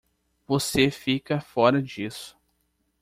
Você fica fora disso.